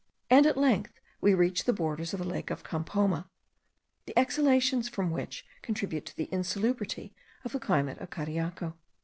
and at length we reach the borders of the lake of Campoma, the exhalations from which contribute to the insalubrity of the climate of Cariaco.